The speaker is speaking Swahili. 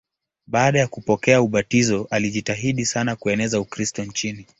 Baada ya kupokea ubatizo alijitahidi sana kueneza Ukristo nchini.